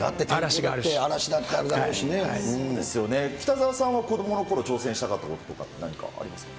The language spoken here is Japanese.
だって、北澤さんは子どものころ、挑戦したかったことって何かありますか？